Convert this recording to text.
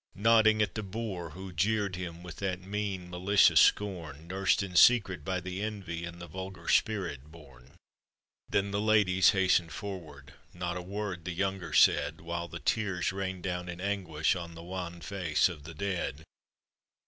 Nodding at the boor who jeered him With that mean, malicious scorn, Nursed in secret by the envy In the vulgar spirit born. Then the ladies hastened forward — Not a word the younger said, While the tears rained down in anguish On the wan face of the dead.